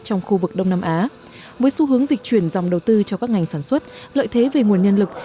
trong khu vực đông nam á với xu hướng dịch chuyển dòng đầu tư cho các ngành sản xuất lợi thế về nguồn nhân lực